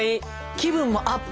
気分もアップ。